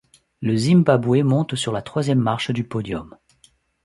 Le Zimbabwe monte sur la troisième marche du podium.